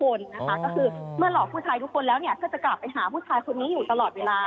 ก็คือเมื่อหลอกผู้ชายทุกคนแล้วก็จะกลับไปหาผู้ชายคนนี้อยู่ตลอดเวลา